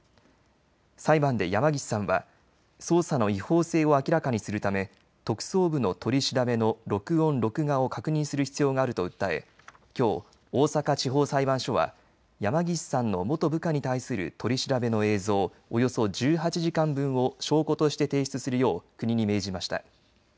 裁判で山岸さんは捜査の違法性を明らかにするため、特捜部の取り調べの録音・録画を確認する必要があると訴えきょう大阪地方裁判所は山岸さんの元部下に対する取り調べの映像、およそ１８時間分を証拠として提出するよう国に命じました。